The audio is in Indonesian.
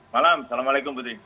malam assalamualaikum putri